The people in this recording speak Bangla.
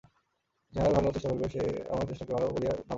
যাহার ভালোর চেষ্টা করিব, সে আমার চেষ্টাকে ভালো বলিয়া না বুঝিবে কেন।